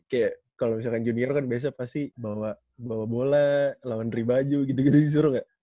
kayak kalau misalkan junior kan pasti bawa bola lawan ribaju gitu gitu disuruh gak